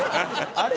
あれ？